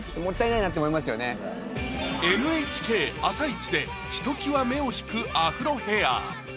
ＮＨＫ「あさイチ」でひときわ目を引くアフロヘア